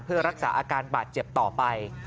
เพื่อรักษาอาการบาดเจ็บต่อไป